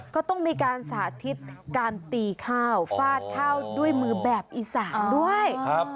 ก็ต้องมีการสาธิตการตีข้าวฟาดข้าวด้วยมือแบบอีสานด้วย